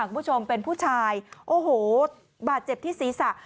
คุณผู้ชมเป็นผู้ชายโอ้โหบาดเจ็บที่ศีรษะ